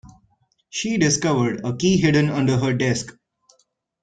She discovered a key hidden under her desk.